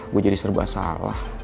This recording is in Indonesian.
gue jadi serba salah